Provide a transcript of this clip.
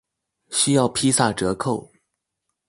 需要披薩折扣